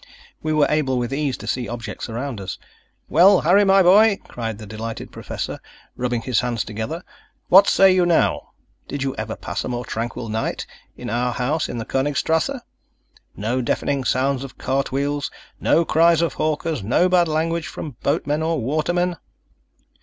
We were able with ease to see objects around us. "Well, Harry, my boy," cried the delighted Professor, rubbing his hands together, "what say you now? Did you ever pass a more tranquil night in our house in the Konigstrasse? No deafening sounds of cart wheels, no cries of hawkers, no bad language from boatmen or watermen!"